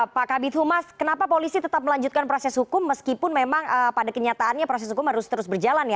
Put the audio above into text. pak kabit humas kenapa polisi tetap melanjutkan proses hukum meskipun memang pada kenyataannya proses hukum harus terus berjalan ya